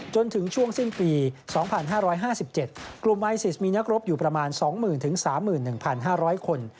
จนถึงช่วงสิ้นปี๒๕๕๗กลุ่มไอซิสมีนักรบอยู่ประมาณ๒๐๐๐๓๑๕๐๐คน